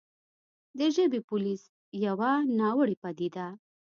د «ژبې پولیس» يوه ناوړې پديده